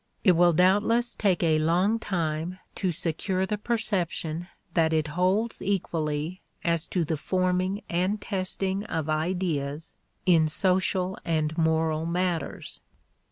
It will doubtless take a long time to secure the perception that it holds equally as to the forming and testing of ideas in social and moral matters.